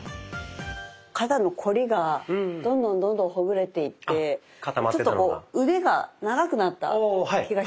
肩のこりがどんどんどんどんほぐれていってちょっと腕が長くなった気がしますね。